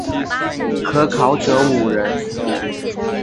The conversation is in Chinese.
可考者五人。